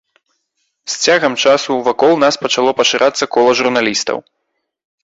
З цягам часу вакол нас пачало пашырацца кола журналістаў.